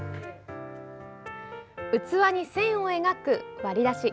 器に線を描く、割り出し。